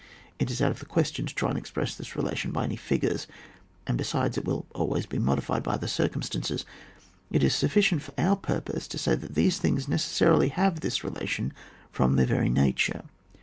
It is out of the question to try to express this relation by any figures, and besides, it will always be modified by other circumstances ; it is sufficient for our purpose to say that these things necessarily have this relation from their very nature.